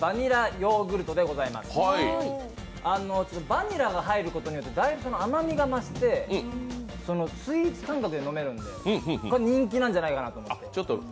バニラが入ることによってだいぶ甘みが増してスイーツ感覚で飲めるので、これ、人気なんじゃないかなと思って。